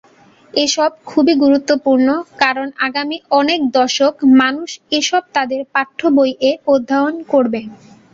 এসব খুবই গুরুত্বপূর্ণ কারণ আগামী অনেক দশক মানুষ এসব তাদের পাঠ্যবই এ অধ্যায়ন করবে।